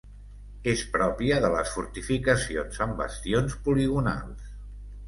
És pròpia de les fortificacions amb bastions poligonals.